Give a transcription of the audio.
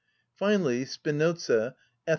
Finally, Spinoza (_Eth.